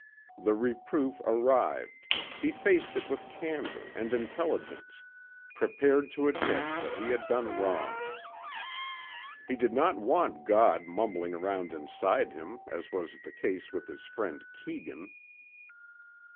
The reproof arrived, he faced it with candor and intelligence, prepared to admit that he had done wrong. He did not want God mumbling around inside him as was the case with his friend Keegan.